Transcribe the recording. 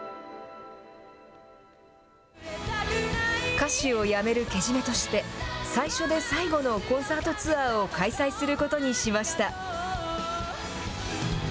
歌手を辞めるけじめとして、最初で最後のコンサートツアーを開催することにしました。